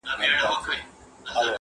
زموږ پر کور باندي چي غم دی خو له ده دی،